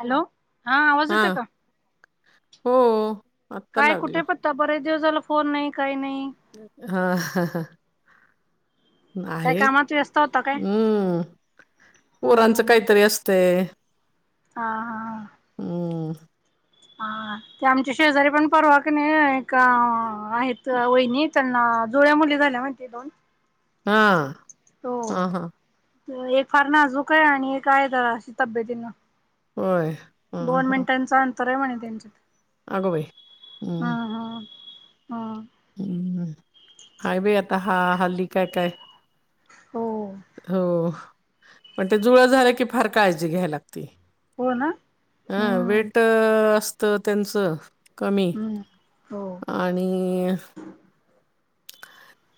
Hello हा आवाज येतो का हो.. आत्ता काय लागलं कुठे पत्ता बरेच दिवस झालं फोन नई काय नई हा ह काय आहे कामात व्यस्त होता काय हम्म हम्म पोरांचं हम्म काहीतरी असतंय हा हा हम्म हा ते आम्ही ते शेजारी पण परवा क नई एक आहेत वैनिक त्यांना जोड्या मुली झाल्या माणती दोन हा हा हा हो एक फार नाजूक आहे आणि एक आहे तर अशी तब्येतीनं होय हा दोन हा मिनिटांचं अंतर आहे म्हणे त्यांच्यात अगं बाई हम्म हम् हम् ह हम्म हा बाई आता हा हल्ली काय काय हो हो पण ते जुळ झाले की फार काळजी घ्यायला लागती हो ना अं हम्म वेट असत त्यांचं कमी हम्म हो आणि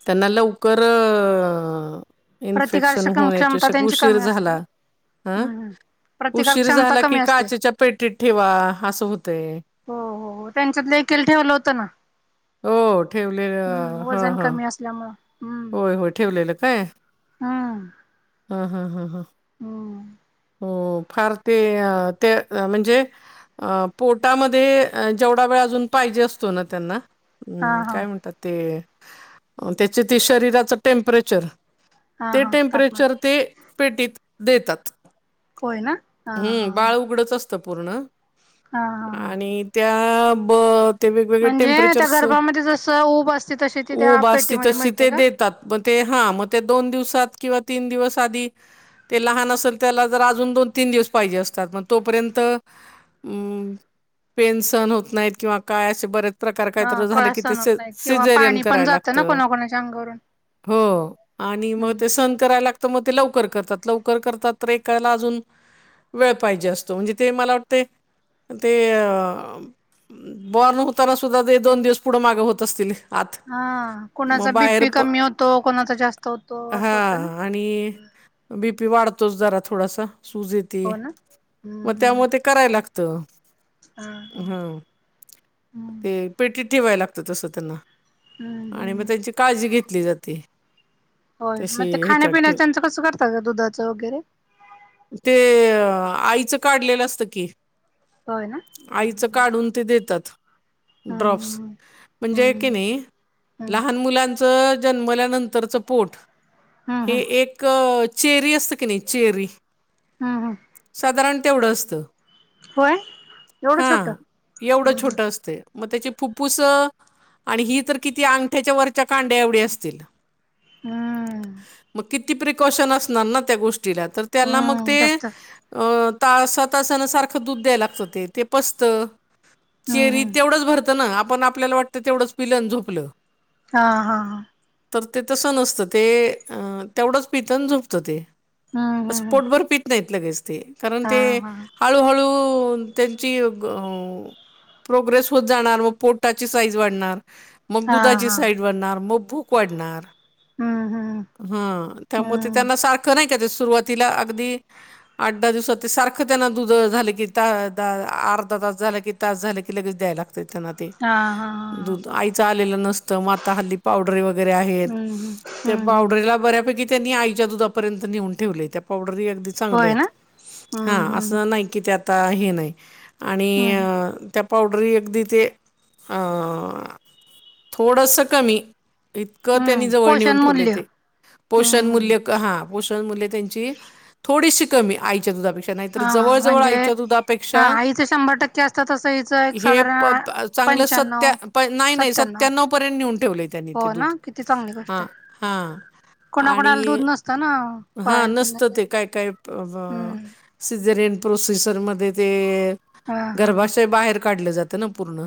त्यांना लवकर इन्फेक्शन प्रतिकारशक होण्या क्षमता याच्याष त्यांची उशीर कमी झाला असते हं हम्म हम्म प्रतिकार उशीर क्षमता झाला की कमी असते काचेच्या पेटीत ठेवा असं होत हो हो त्यांच्यात देखील ठेवलं होतं ना हो हम्म ठेवलेलं हां वजन हां कमी असल्यामुं होय होय ठेवलेलं काय हम्म हा हा हा हा होम हो फार ते ते म्हणजे अ पोर्टामध्ये जेवढा वेळ अजून पाहिजे असतो ना त्यांना हा हम्म हा काय म्हणतात ते त्याचे ते शरीराचं टेम्परेचर हा ते हा तापमान टेम्परेचर ते पेटीत देतात होय ना हा हम्म हा हा बाळ उघडत असत पूर्ण हा हा आणि त्या ब ते वेगवेगळे म्हणजे त्या टेम्परेचरस गर्भामध्ये जसं ऊब असते तशी ती त्या उभ असती पेटीमध्ये तशी मिळते ते का देत मग ते हा मग ते दोन दिवसात किंवा तीन दिवस आधी ते लहान असेल त्याला जर अजून दोन तीन दिवस पाहिजे असतात मग तोपर्यंत अम पेनसन होत नाहीत किंवा काय असे बरेच प्रकार काहीत हा झालं कळा कि ते सण स होत नाहीत किंवा सिजेरियन पाणी पण कराय जातं लागत ना कोणाकोणाच्या अंगावरून हो आणि मग ते हम्म संत करायला लागत मग ते लवकर करतात लवकर करतात तर एकाला अजून वेळ पाहिजे असतो म्हणजे ते मला वाटते ते अ बॉर्न होताना सुद्धा ते दोन दिवस पुढे मागे होत असतील. आत हा मग कोणाचा बाहेर बीपी प कमी होतो कोणाचा जास्त होतो असं होतं ना हां आणि बीपी वाढतोच जरा थोडासा, सुज येती. हो ना हम्म म हम्म त्यामुळे ते करायला लागतं. हा, [inaudible] हम्म ते पेटीत ठेवाय लागतं तसं त्यांना. हम्म आणि मग हम्म त्यांची काळजी घेतली जाते. होय, तशी मग ते ह्याच्यात खाण्यापिण्याचं ठेव त्यांचं कसं करता आ दुधाचं वगैरे. ते आईचं काढलेलं असतं की, होय ना [inaudible] आईचं काढून ते देतात. ड्रॉप्स हम्म [inaudible] म्हणजे क हम्म नाही हम्म लहान मुलां च जन्मल्यानंतरचं पोट हम्म हे हम्म एक चेरी असतं की नाही चेरी हम् हम, साधारण तेवढं असत होय [inaudible] एवढं हा छोट एवढं हम्म छोटं हम्म असते. मग त्याची फुप्फुस आणि ही तर किती अंगठ्याच्या वरच्या कांड्या एवढ्या असतील. हम्म, मग किती प्रिकॉशन असणार ना त्या गोष्टीला तर हम्म त्यांना मग हम्म ते जास्त अ तासा तासान सारखं दूध द्याय लागतं ते ते पचतं [inaudible] हम्म चेरी हम्म तेवढंच भरतं ना आपण आपल्याला वाटत तेवढंच पिलं झोपलं हा हा हा, तर ते तसं नसतं ते, अ तेवढंच पित्तन झोपत ते. हम्म असं हम्म पोटभर पीत नाहीत लगेच ते, कारण हा ते हा हळूहळू त्यांची, अ प्रोग्रेस होत जाणार आणि पोटाची साईज वाढणार. मग हा दुधाची हा साईड वाढणार, मग भूक वाढणार. हम्म हम्म. हा, त्यामुळे ते हम्म त्यांना सारखं नाही का ते सुरुवातीला अगदी आठ दहा दिवसात ते सारखं त्यांना दुध झालं की, तां तां अर्धा तास झालं की तास झालं की लगेच द्यायला लागतय त्यांना. हा हा हा दूध आईच आलेलं नसतं म आत्ता हल्ली पावडरी वगैरे आहेत. हम्म हम्म त्या हम्म हम्म पावडरीला बऱ्यापैकी त्यांनी आईच्या दुधापर्यंत नेऊन ठेवलंय, त्या पावडरी अगदी होय चांगलेत, ना हा हम्म हम्म हम्म असं नाही कि ते आता हे नाहीत, आणि हम्म अ पावडरी अगदी ते, [unintelligible] अं थोडंसं कमी इत क त्यांनी हम्म जवळ पोषण नेऊन ठेवलंय मूल्य ते, पोषण हम्म मूल्यक. हा पोषण मुल्ये त्यांची, थोडीशी कमी आईच्या दुधापेक्षा. नाहीतर हा जवळ जवळ म्हणजे आईच्या हा दुधापेक्षा, आईचं शंभर टक्के असतं तसं हिचं [inaudible] एक हे पथ साधारण आजच्या चांगलं सत्या, पंच्याण्णव पण नाही नाही सत्त्याण्णव आठ सत्यानऊ पर्यंत नेऊन ठेवलंय. हो ना, [inaudible] किती चांगली गोष्ट हाय, हां कुणाकुणाला दूध नसतं ना. हा बाळंतीण नसतं ते झाल्यानंतर काय काय प बं हम्म सिजरेन प्रोसेसर मध्ये ते. हा हा हा गर्भाशय बाहेर काढलं जातं. तणं पूर्ण,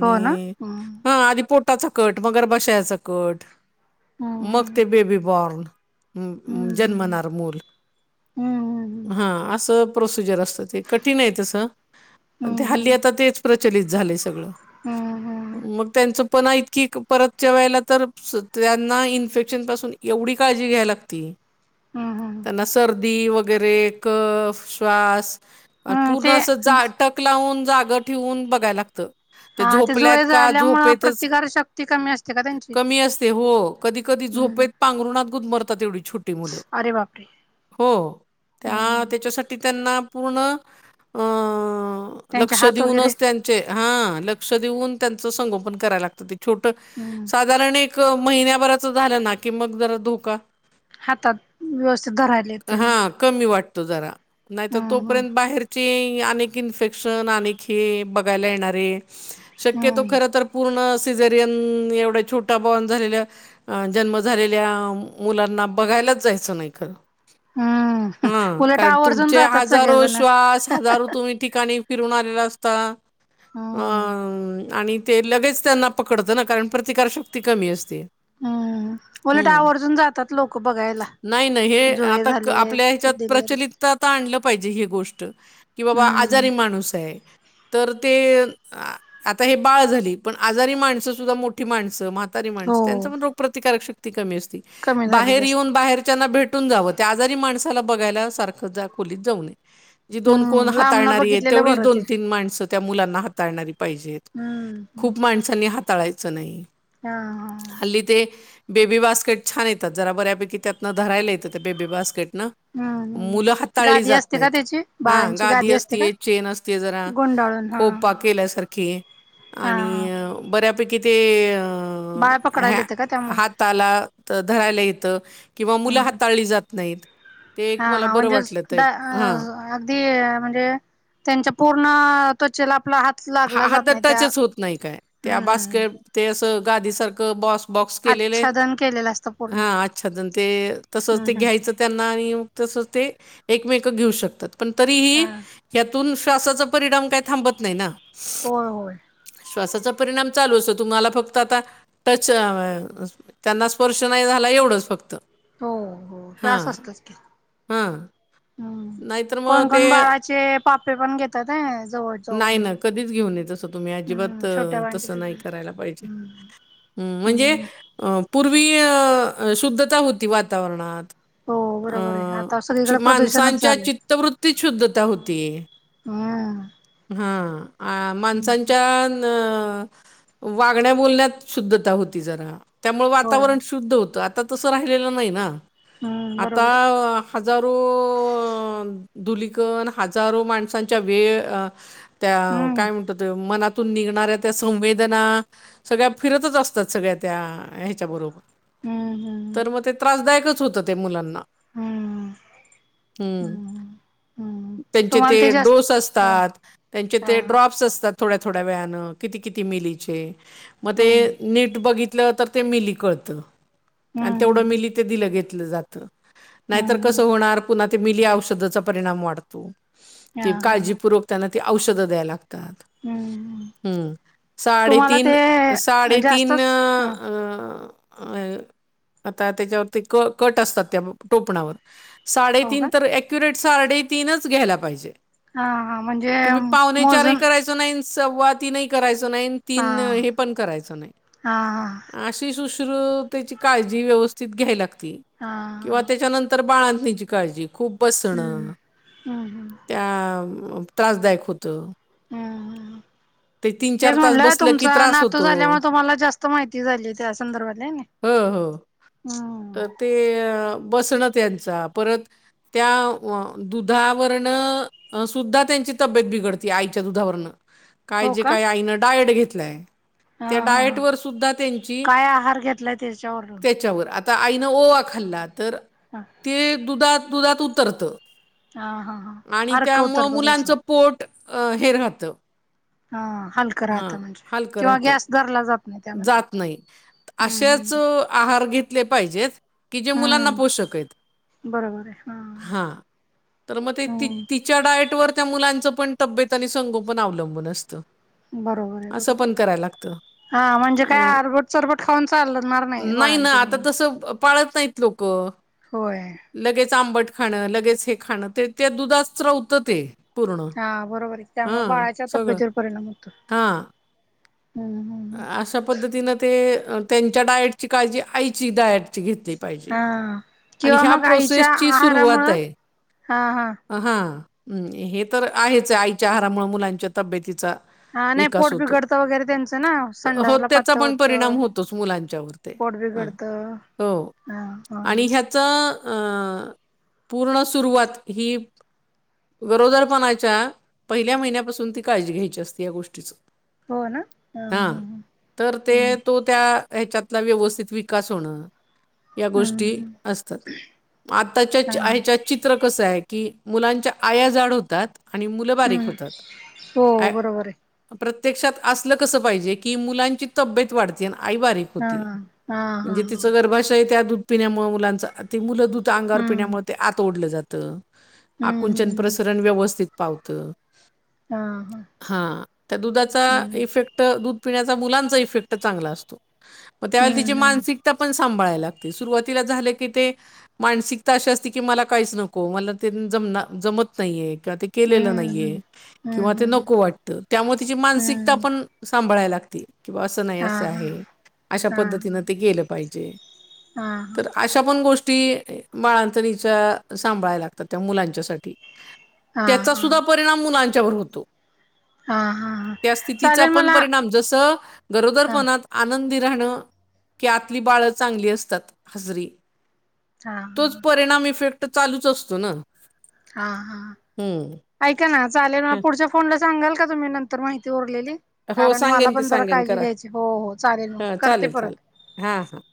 हो ना हम्म हां आधी पु. ताचा कट मगर बशायाचा कट, [inaudible] मग हम्म ते बेबी बॉर्न. हम्म जन्मनार मुल, हम्म [inaudible] हा अस प्रोसिजर असते. तसं ते कठीण आहे तसं, [inaudible] पण ते हल्ली हम्म आता तेच प्रचलित झालंय सगळं. हम्म. मग त्यांच पण ऐक की परतच्यावेळी तर त्यांना इन्फेक्शन पासून एवढी काळजी घ्याय लागती. हम्म त्यांना सर्दी वगैरे कफ, श्वास, आ हम्म पूर्ण ते अस जाटक क्लाउन, जाग ठेवून बघाय लागतं. ते हा जुळे झोपल्यात का, झाल्यामुळं झोपेतच, प्रतिकार शक्ती कमी असते का त्यांची कमी असते हो, कधी कधी हम्म झोपेत पांघरुणात गुदमरतात एवढी छोटी मुलं, अरे बापरे हो त्या ते हम्म त्यांच्यासाठी त्यांना पूर्ण अ त्यांचे लक्ष हात वगैरे देऊनच त्यांन चे हा लक्ष देऊन त्यांच संगोपण कराव लागतं, ते छोटं, हम्म साधारण एक महिन्याभराच झालं ना कि मग जरा धोका हातात व्यवस्थित धराहिलेत. हा कमी वाटतो जरा नाहीत हम्म तोपर्यंत बाहेरची आणी कीन्फेक्शन आणि खे बघायला येणारे हम्म शक्यतो खर हम्म तर पूर्ण सिझरियन एवढ्या छोटा बॉन झालेल्या अं जन्म झालेल्या मुलांना बघायलाच जायचं नाही खरं. हम्म आ उलट कारण आवर्जून तुमचे जातात हजारो सगळेजण श्वास, हजारो तुम्ही ठिकाणी फिरून आलेला असता. हम. आ आणि ते लगेच त्यांना पकडतं ना, कारण प्रतिकारशक्ती कमी असते. हं उलट हं. आवर्जून जातात लोक बघाया. नाही ना हे आता आपल्या ते ह्याच्यात डिलिव्हरी प्रचलित त आतां आणलं पाहिजे ही गोष्ट, की बाबा हम्म आजारी माणूस आहे. तर ते आता हे बाळ झाली, पण आजारी माणसं सुद्धा मोठी माणसं म्हा तारी माणसं त्यांच हो पण रोग प्रतिकारक शक्ती कमी असती, कमी झालेली बाहेर असते येऊन बाहेरच्यांना भे टून जावं, त्या आजारी माणसाला बघायला सारखं जा खोलीत जाऊ नये. जी दोन कोण हम्म लांबन हाताळणारीये बघितलेलं तेवढीच बरं ते दोन, तीन, माणसं त्या मुलांना हाताळणारी पाहिजेत. हम्म हम्म खूप माणसांनी हाताळायचं नाही, हा हा हल्ली ते बेबी बास्केट छान येतात जरा बऱ्यापैकी, त्यातनं धरायला येतं त्या बेबी बास्केट न. हं! मुलं हाताळली जात नाहीत, हा गादी असते चेन असते जरा गुंडाळून हा खोपा हा केल्या सारखी हा आणि बऱ्यापैकी ते अ. बाळ अ ह्या पकडायला येतं का त्यामुळं हाताला त- धरायला येत, किंवा मुलं हम्म हाताळली जात नाहीत. ते हा एक मला हा बरं म्हंजे वाटलं ते डा हां अ अगदी म्हणजे, त्यांच्या पूर्ण त्वचेला आपला हात हा लागला हात जात नाही त्या टचच होत नाही काय त्या हम्म बास्के, हम्म ते अस गादी सारखं बॉस बॉक्स केलेले आच्छादन केलेलं असतं पूर्ण हा अच्छादन ते तसच हम्म ते हम् घ्यायचं. त्यांना आणि मग तस ते एकमेक घेऊ शकतात पण तरीही हा यातून श्वासाचा परिणाम काही थांबत नाही ना. होय, होय. श्वासाचा परिणाम चालू असो तुम्हाला फक्त आता टच अ त्यांना स्पर्श नाही झाला, एवढंच फक्त. हो हो श्वास हां, असतच की. हां. हं नाहीतर मग कोण, ते कोण बाळाचे पापे पण घेतात, हं जवळ नाही जाऊन ना कधीच घेऊ नही, तसं तुम्ही अजिबात त हम्म छोट्या बाळांचे तसं नाही करायला पाहिजे. हम्म हूं म्हणजे हम्म अ पूर्वी अ शुद्धता होती वातावरणात. हो बरोबर आहे आता अ सगळीकडे प्रदूषणच माणसांच्या झालंय चित्तवृत्तीत शुद्धता होती. वा! हा आ माणसांच्या न वागण्या बोलण्यात शुद्धता होती जरा. त्यामुळ होय वातावरण शुद्ध होतं, आता तसं राहिलेलं नाही ना हम्म आता बरोबर हजारो धुलीकन हजारो माणसांच्या वेव. त्या हम्म काय म्हणता ते मना तुन निघणाऱ्या त्या संवेदना सगळ्या फिरतच असतात, सगळ्या त्या ह्याच्या बरोबर. हम्म हम्म तर मग ते त्रासदायकच होतं, ते मुलांना. हम्म हम्म! हम्म त्यांचे ते तुम्हाला जास्त डोस ह असतात. त्यांचे ह ते ड्रॉप्स असतात थोड्या थोड्या वेयानें किती किती मिलीचे. मग हम्म ते नीट बघितलं तर ते मिली कळतं. आणि तेवढं हम्म मिली दिलं घेतलं जात. नाहीतर हम्म कस होणार पुन्हा ते मिली औषधचा परिणाम वाढतो. ह ते हा काळजीपूर्वक त्यांना ते औषधं द्याय लागतात. हम्म हम्म! तुम्हाला साडेतीन, ते साडेतीन जास्तच ह अ आता त्याच्यावरती क कट असतात त्या टोपणावर हो का साडेतीन तर ॲक्युरेट साडेतीनच घ्यायला पाहिजें. हा हा म्हणजे. तुम्ही पावणे चारही मोजून करायचो नाही, सव्वा तीनही करायचो नाही. हा तीन हे पण करायचं नाही. हा हा अशी शुश्रू त्याची काळजी व्यवस्थित घ्यायवी लागती. हा किंवा त्याच्यानंतर तर बाळांतनीची काळजी खूप बसण हम्म हम्म त्या त्रासदायक होतं. हा, हा. ते तीन चार तेच तास म्हणटलं बसलं की तुमचा त्रास नातू होतो. झाल्यामुळे तुम्हाला जास्त माहिती झाली त्या संदर्भाला हेनाइ. हो हो हम्म! तर ते बसणं त्यांचा परत, त्या दुधावरण सुद्धा त्यांची तब्येत बिघडते आईच्या दुधावर काय हो जे का काय आईन डायट घेतलाय. हा त्या हा डायट वर सुद्धा त्यांची काय आहार घेतलाय त्याच्यावरून त्याच्यावर आ आता आईनं ओवा खाल्ला तर हा. ते दुधात दुधात उतरत हा हा हा आणि अर्क त्यामुळ उतरतो त्याचा मुलांचं पोट हे राहातं हा हलकं राहत म्हणजे किंवा राहतं, गॅस धरला जा जात नाही असेच हम्म आहार घेतले पाहिजेत. कि जे मुलांना हम्म पोषक आहेत. बरोबर आहे हा तर मग ते ती हम्म ती त्या डाएट वर त्या मुलांच पण तब्येत आणि संगोपन अवलंबून असतं. बरोबर आहे असं बरोबर पण कराय लागतं. हा म्हणजे काय अ आरबट चरबट खाऊन चालणार नाय नाही ना बाळांती आता तसं पाळत नाहीत लोकं. होय. लगेच आंबट खाणं लगेच हे खाणं ते त्या दुधात स्त्रोतरते. हा बरोबर आहे त्यामुळे बाळाच्या सगळं तब्यतीवर परिणाम होतो. हां. हम्म हम्म अशा पद्धतीनं ते त्यांच्या डाएटची काळजी आईची डाएट ची घेत हा. आणि किंवा ह्या मग आईच्या प्रोसेसची आहारामुळं सुरुवातय. हा हा हा् हे तर आहेच आहे आईच्या आहारामुळे मुलांच्या तब्येतीचा हा नाही पोट विकास होतो. बिघडत वगैरे त्यांचं ना तर हो संडसाला त्याचा पातंळ पण परिणाम होतं. होतोच मुलांच्यावर ते पोट हां बिघडतं हा हा अं च पूर्ण सुरवात ही गरोदरपणाच्या पहिल्या महिन्यापासून ती काळजी घ्यायची असते या गोष्टीचं. हा तर ते हम्म तो त्या ह्याच्यातला व्यवस्थित विकास होणं. या गोष्टी हम्म आताच्या हा ह्याच्यात चित्र कस आहे की मुलांच्या आया जाड होतात. आणि मुलं बारीक हम्म होतात हो ॲ बरोबर आहे प्रत्यक्षात असलं कसं पाहिजे की मुलांची तब्येत वाढते आणि आई बारीक हा होती हा हा म्हणजे हा तिच गर्भशय त्यादू ''--'' पिण्यामुळे मुलांच ते मुलं दूध अंगावर हम्म पिण्यामुळे ते आत ओढलं जातं. हम्म आकुंचन हम्म प्रसरण व्यवस्थित पावतं. हा त्या दुधाचा हम्म इफेक्ट दूध पिण्याचा मुलांचा इफेक्ट चांगला असतो त्यामुळे ते हम्म मानसिक पन सांभाळाय लागती सुरुवातीला झालं की ते मानिक अशी असते की मला काही नको म जम जमत नाहीेये ते हम्म केलेलं हम्म नाहीये हम्म किंवा ते हम्म हम्म नको वाटतं त्यामुळे तिची मानसिकता हम्म पण सांभाळाय लागती. किंवा असं नाही हा असं हा आहे अशा हा पद्धतीनं ते गेलं पाहिजे. हा हा तर अशा पण गोष्टी बाळांतणीच्या सांभाळाय लागतात त्या मुलांच्यासाठी. त्याचा हा सुद्धा परिणाम मुलांच्यावर होतो. हा हा हा त्या स्थितीचा चालेल पण मला परिणाम जस हा गरोदरपणात आनंदी राहणं की आतली बाळ चांगली असतात हसरी. हा! हा तोच परिणाम इफेक्ट चालूच असतो ना. हा हा. हम्म ऐका ना चालेल म हा. पुढच्या फोनला सांगाल का तुम्ही नंतर माहिती उरलेली? हो कारण मला सांगेन की पण जरा सांगेन काळजी करा घ्यायची हो हो चालेल मग करते परत. हा हा.